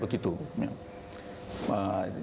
bahkan yang tidak awam pun sering begitu